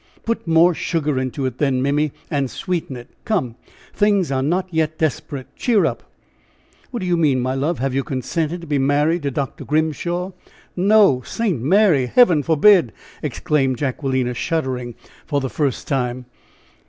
"Put more sugar into it, then, Mimmy, and sweeten it! Come! Things are not yet desperate! Cheer up!" "What do you mean, my love? Have you consented to be married to Dr. Grimshaw?" "No! St. Mary! Heaven forbid!" exclaimed Jacquelina, shuddering for the first time.